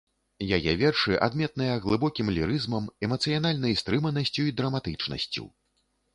Яе вершы адметныя глыбокім лірызмам, эмацыянальнай стрыманасцю і драматычнасцю.